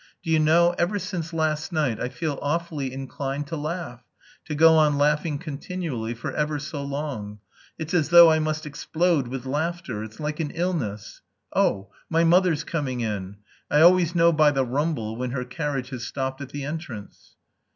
Do you know, ever since last night I feel awfully inclined to laugh, to go on laughing continually forever so long. It's as though I must explode with laughter. It's like an illness.... Oh! my mother's coming in. I always know by the rumble when her carriage has stopped at the entrance."